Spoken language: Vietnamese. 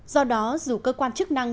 do đó dù cơ quan chức năng